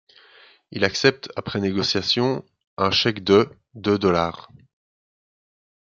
Il accepte après négociation un chèque de de dollars.